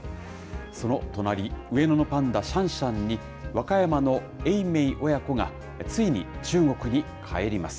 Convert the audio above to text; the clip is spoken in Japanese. その隣、上野のパンダ、シャンシャンに、和歌山の永明親子がついに中国に帰ります。